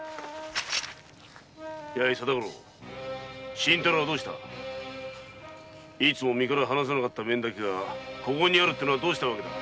やい定五郎新太郎はどうしたいつも身から離さなかった面だけがここにあるのはどうした訳だ。